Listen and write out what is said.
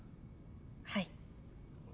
はい。